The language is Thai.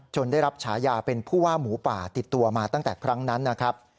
ได้รับฉายาเป็นผู้ว่าหมูป่าติดตัวมาตั้งแต่ครั้งนั้นนะครับ